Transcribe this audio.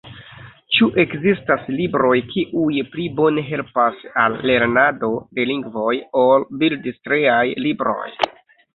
Ĉu ekzistas libroj, kiuj pli bone helpas al lernado de lingvoj, ol bildstriaj libroj?